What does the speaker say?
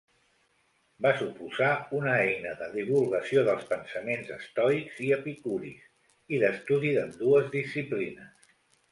Va suposar una eina de divulgació dels pensaments estoics i epicuris i d'estudi d'ambdues disciplines.